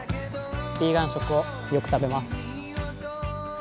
ヴィーガン食をよく食べます。